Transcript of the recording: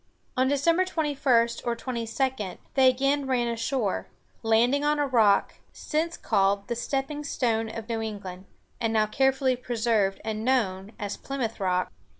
On December 21 or 22 they again ran ashore, landing on a rock, since called "the stepping stone of New England," and now carefully preserved and known as "Plymouth Rock."